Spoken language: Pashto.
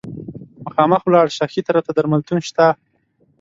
مخامخ ولاړ شه، ښي طرف ته درملتون شته.